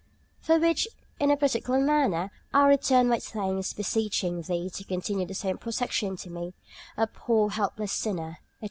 for which, in a particular manner, I return my thanks, beseeching Thee to continue the same protection to me, a poor, helpless sinner," etc.